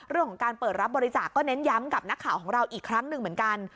เรื่องของการเปิดรับบริจาคก็เน้นย้ำกับนักข่าวของเราอีกครั้งหนึ่งเหมือนกัน